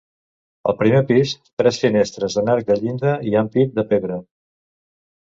Al primer pis, tres finestres en arc de llinda i ampit de pedra.